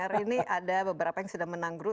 hari ini ada beberapa yang sudah menang group